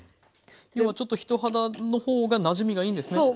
要はちょっと人肌の方がなじみがいいんですね？